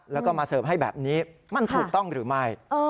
แล้วก็มาเสิร์ฟให้แบบนี้มันถูกต้องหรือไม่